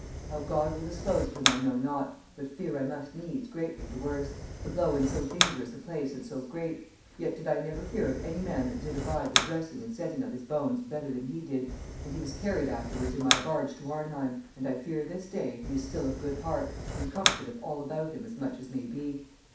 How God will dispose of him I know not, but fear I must needs, greatly, the worst; the blow in so dangerous a place and so great; yet did I never hear of any man that did abide the dressing and setting of his bones better than he did; and he was carried afterwards in my barge to Arnheim, and I hear this day, he is still of good heart, and comforteth all about him as much as may be.